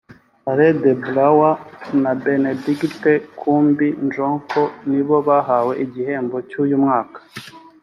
Alain De Brouwer na Bénédicte Kumbi Ndjoko nibo bahawe igihembo cy’uyu mwaka